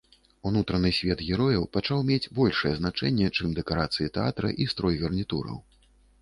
Унутраны свет герояў пачаў мець большае значэнне, чым дэкарацыі тэатра і строй гарнітураў.